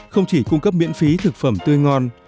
không chỉ cung cấp miễn phí thực phẩm tươi ngon